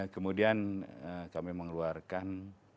kemudian kami mengeluarkan